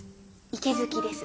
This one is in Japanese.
池月です。